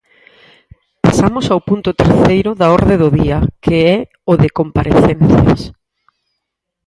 Pasamos ao punto terceiro da orde do día, que é o de comparecencias.